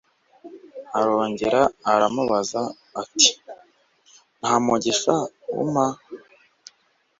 arongera aramubaza ati “nta mugisha umpa”